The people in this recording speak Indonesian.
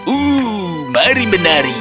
uh mari menari